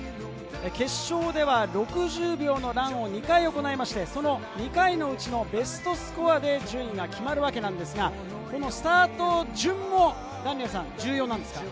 決勝では６０秒のランを２回行いまして、その２回のうちのベストスコアで順位が決まるわけなんですが、このスタート順も重要なんですか？